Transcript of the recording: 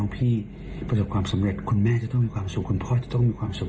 พี่สาวต้องมีความสุข